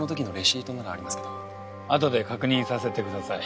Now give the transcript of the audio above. あとで確認させてください。